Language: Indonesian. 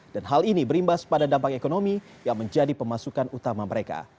dan hal ini berimbas pada dampak ekonomi yang menjadi pemasukan utama mereka